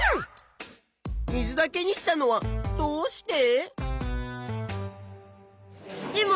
水だけにしたのはどうして？